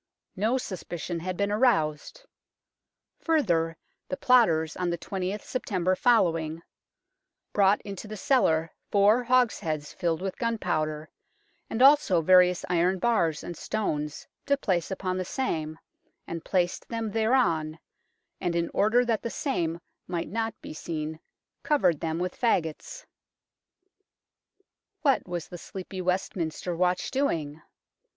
No suspicion had been aroused. Further, the plotters on the 20th September following " brought into the cellar four hogsheads filled with gun powder, and also various iron bars and stones to place upon the same, and placed them thereon, and in order that the same might not be seen covered them with faggots." What was the sleepy Westminster watch doing